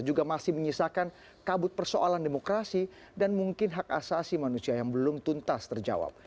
juga masih menyisakan kabut persoalan demokrasi dan mungkin hak asasi manusia yang belum tuntas terjawab